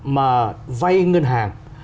mà vai ngân hàng